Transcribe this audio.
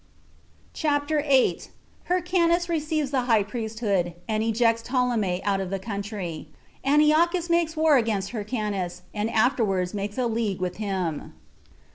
CHAPTER 8. Hyrcanus Receives The High Priesthood, And Ejects Ptolemy Out Of The Country. Antiochus Makes War Against Hyrcanus And Afterwards Makes A League With Him.